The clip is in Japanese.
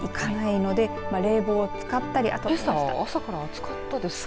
けさ朝から暑かったですね。